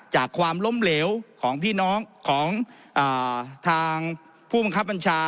ความล้มเหลวของพี่น้องของทางผู้บังคับบัญชา